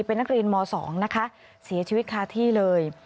เป็นนักเรียนม๒นะคะเสียชีวิตคาที่เลย